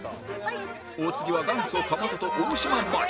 お次は元祖かまとと大島麻衣